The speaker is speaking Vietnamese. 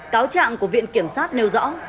cáo trạng của viện kiểm sát nêu rõ